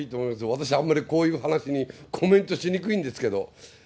私、あんまりこういう話にコメントしにくいんですけど。